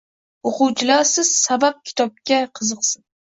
O‘quvchilar siz sabab kitobga qiziqsin.